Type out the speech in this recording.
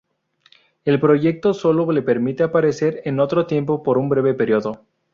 El proyector sólo le permite aparecer en otro tiempo por un breve periodo.